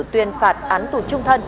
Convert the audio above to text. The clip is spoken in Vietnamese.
tuyên phạt án tù trung thân